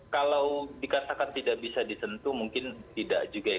kalau dikatakan tidak bisa disentuh mungkin tidak juga ya